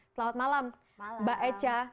selamat malam mbak echa